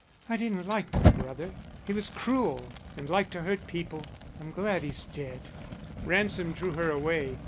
"I didn't like my brother. He was cruel and liked to hurt people. I'm glad he's dead." Ransom drew her away.